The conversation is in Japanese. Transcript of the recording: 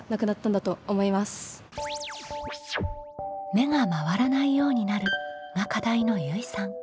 「目が回らないようになる」が課題のゆいさん。